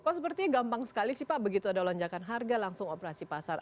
kok sepertinya gampang sekali sih pak begitu ada lonjakan harga langsung operasi pasar